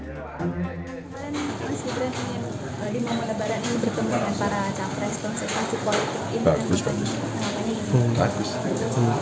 pak gibran mas gibran ingin tadi momen lebaran ini bertemu dengan para capres pengecekan si politik ini